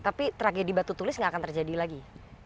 tapi tragedi batu tulis nggak akan terjadi lagi